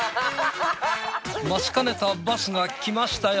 待ちかねたバスが来ましたよ。